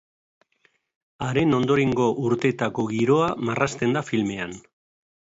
Haren ondorengo urteetako giroa marrazten da filmean.